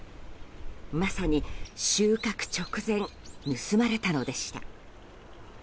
まさに収穫直前盗まれたのでした。